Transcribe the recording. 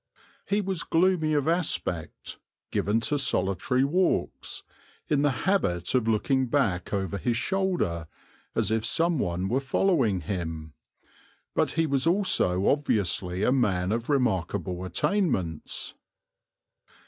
He was gloomy of aspect, given to solitary walks, in the habit of looking back over his shoulder, as if some one were following him; but he was also obviously a man of remarkable attainments.